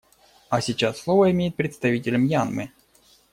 А сейчас слово имеет представитель Мьянмы.